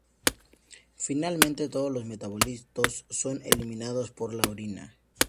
Finalmente, todos los metabolitos son eliminados por la orina.